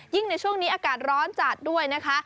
ในช่วงนี้อากาศร้อนจัดด้วยนะคะ